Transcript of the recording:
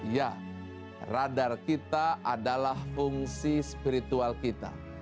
ya radar kita adalah fungsi spiritual kita